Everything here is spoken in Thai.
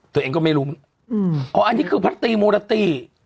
เธอนั้นเขาก็ไม่รู้อ๋ออันนี้คือพระตีมูรติ